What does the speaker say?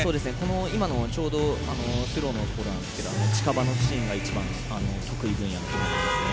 今のスローのところですが近場のシーンが一番得意分野だと思いますね。